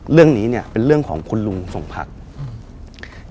เรื่องนี้เนี่ยเป็นเรื่องของคุณลุงสมภักษ์